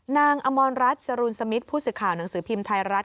อมรรัฐจรูนสมิทผู้สื่อข่าวหนังสือพิมพ์ไทยรัฐ